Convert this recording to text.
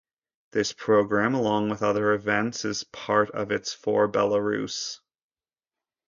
This program, along with other events, is part of its For Belarus!